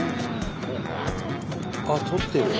あっ撮ってる。